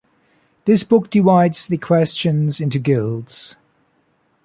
This book divides the questions into guilds.